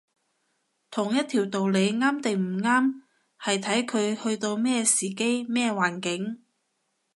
同一條道理啱定唔啱，係睇佢去到咩時機，咩環境